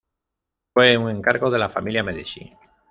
Fue un encargo de la familia Medici.